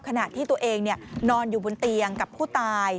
ขณะที่ตัวเองนอนอยู่บนเตียงกับผู้ตาย